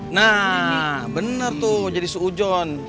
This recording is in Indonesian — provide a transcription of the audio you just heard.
nah bener tuh jadi seuzon